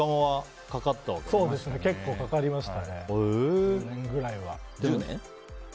結構かかりましたね。